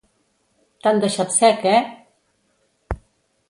T'han deixat sec, eh?